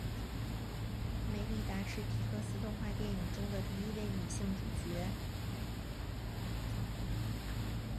梅莉达是皮克斯动画电影中的第一位女性主角。